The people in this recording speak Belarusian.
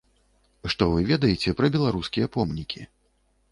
Што вы ведаеце пра беларускія помнікі?